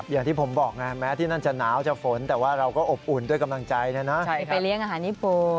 อย่างที่ผมบอกไงแม้ที่นั่นจะหนาวจะฝนแต่ว่าเราก็อบอุ่นด้วยกำลังใจนะนะใช่ไปเลี้ยงอาหารญี่ปุ่น